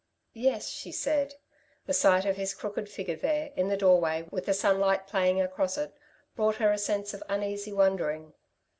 "Yes," she said. The sight of his crooked figure there, in the doorway, with the sunlight playing across it, brought her a sense of uneasy wondering.